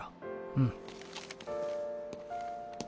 うん。